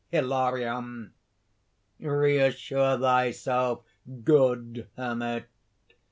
_) HILARION. "Reassure thyself, good Hermit.